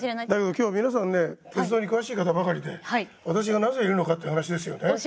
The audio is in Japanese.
だけど今日皆さんね鉄道に詳しい方ばかりで私がなぜいるのかっていう話ですよね。